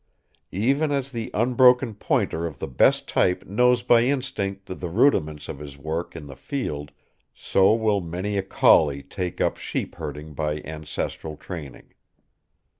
Even as the unbroken pointer of the best type knows by instinct the rudiments of his work in the field so will many a collie take up sheep herding by ancestral training.